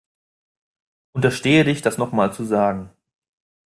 Unterstehe dich das nochmal zu sagen.